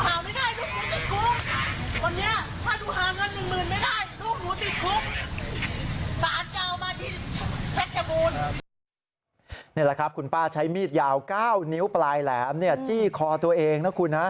นี่แหละครับคุณป้าใช้มีดยาว๙นิ้วปลายแหลมจี้คอตัวเองนะคุณฮะ